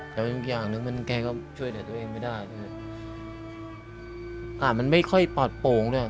แต่มันก็อย่างนึงแกก็ช่วยแต่ตัวเองไม่ได้อ่ะมันไม่ค่อยปลอดโปรงด้วย